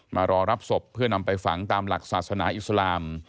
มารอรับศพเพื่อนำไปฝังตามหลักศาสนาอิสลาม